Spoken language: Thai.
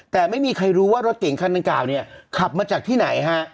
แต่ไม่มีใครรู้ว่ารถเก่งคันดังกล่าวเนี่ยขับมาจากที่ไหนฮะ